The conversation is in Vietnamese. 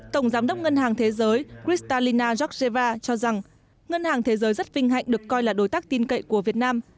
tổng giám đốc ngân hàng thế giới christalina georgeva cho rằng ngân hàng thế giới rất vinh hạnh được coi là đối tác tin cậy của việt nam